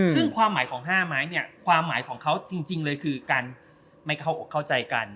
ซึ่งความหมายของ๕ไม้เนี่ยความหมายของเขาจริงเลยคือการไม่เข้าอกเข้าใจกัน